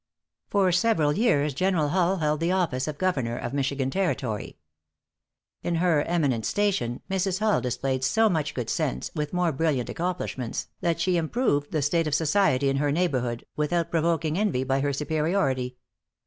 For several years General Hull held the office of Governor of Michigan Territory. In her eminent station, Mrs. Hull displayed so much good sense, with more brilliant accomplishments, that she improved the state of society in her neighborhood, without provoking envy by her superiority.